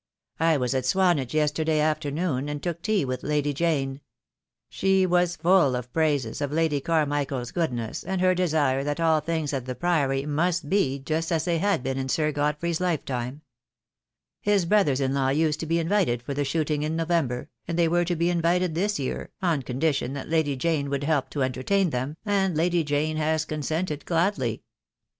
"I was at Swanage yesterday afternoon, and took tea with Lady Jane. She was full of praises of Lady Carmichael's goodness, and her desire that all things at the Priory might be just as they had been in Sir God frey's lifetime. His brothers in law used to be invited for the shooting in November, and they were to be in vited this year, on condition that Lady Jane would help 206 THE DAY WILL COME. to entertain them, and Lady Jane has consented gladly.